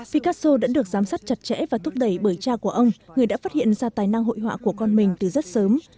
ficasho đã được giám sát chặt chẽ và thúc đẩy bởi cha của ông người đã phát hiện ra tài năng hội họa của con mình từ rất sớm